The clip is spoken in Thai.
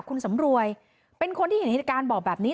คุณสำรวยเป็นคนที่เห็นเหตุการณ์บอกแบบนี้